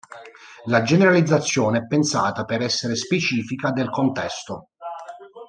La generalizzazione è pensata per essere specifica del contesto.